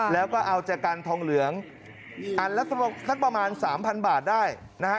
แล้วก็เอาจากกรรมทองเหลืองอันละสำหรับสักประมาณ๓๐๐๐บาทได้นะฮะ